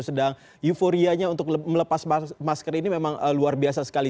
sedang euforianya untuk melepas masker ini memang luar biasa sekali